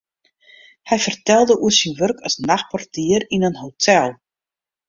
Hy fertelde oer syn wurk as nachtportier yn in hotel.